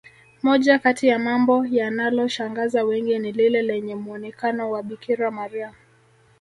moja Kati ya mambo yanaloshangaza wengi ni lile lenye muonekano wa bikira maria